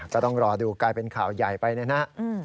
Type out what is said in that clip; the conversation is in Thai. ก็ต้องรอดูกลายเป็นข่าวใหญ่ไปนะฮะ